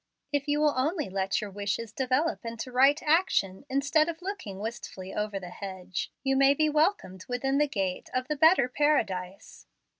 If you will only let your wishes develop into right action, instead of looking wistfully over the hedge, you may be welcomed within the gate of the better Paradise."